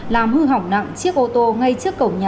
làm hư hỏng nặng chiếc ô tô ngay trước cổng nhà